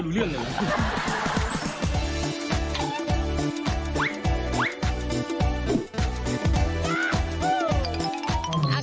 เหมือนคนเจ็บขา